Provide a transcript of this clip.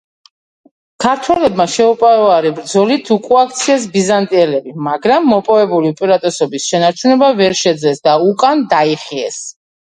ქართველებმა შეუპოვარი ბრძოლით უკუაქციეს ბიზანტიელები, მაგრამ მოპოვებული უპირატესობის შენარჩუნება ვერ შეძლეს და უკან დაიხიეს.